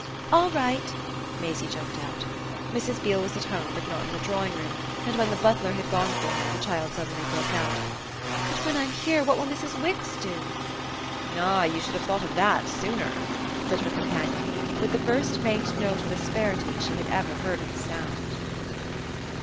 "All right!" Maisie jumped out. Mrs. Beale was at home, but not in the drawing room, and when the butler had gone for her the child suddenly broke out: "But when I'm here what will Mrs. Wix do?" "Ah you should have thought of that sooner!" said her companion with the first faint note of asperity she had ever heard him sound.